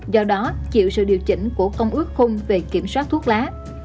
do đó chịu sự điều chỉnh của công ước khung về kiểm soát thuốc lá